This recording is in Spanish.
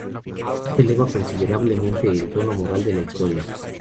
Esto eleva considerablemente el tono moral de la historia.